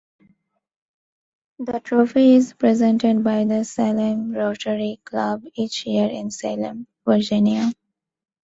The trophy is presented by the Salem Rotary Club each year in Salem, Virginia.